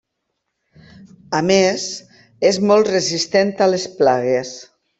A més, és molt resistent a les plagues.